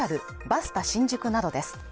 バスタ新宿などです